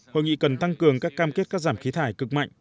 hội nghị cần tăng cường các cam kết cắt giảm khí thải cực mạnh